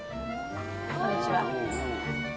こんにちは。